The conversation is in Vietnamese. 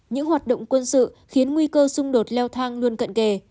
những hoạt động quân sự khiến nguy cơ xung đột leo thang luôn cận kề